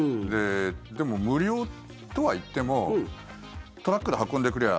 でも、無料とはいってもトラックで運んでくりゃ